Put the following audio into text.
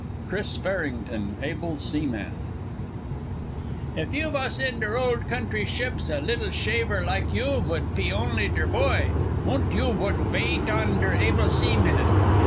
CHRIS FARRINGTON: ABLE SEAMAN "If you vas in der old country ships, a liddle shaver like you vood pe only der boy, und you vood wait on der able seamen.